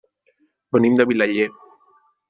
Venim de Vilaller.